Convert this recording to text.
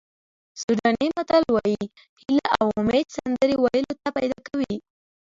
سوډاني متل وایي هیله او امید سندرې ویلو ته پیدا کوي.